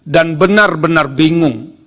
dan benar benar bingung